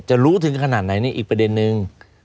รู้ถึงขนาดไหนนี่อีกประเด็นนึง